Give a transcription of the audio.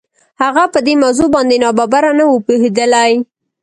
هغه په دې موضوع باندې ناببره نه و پوهېدلی.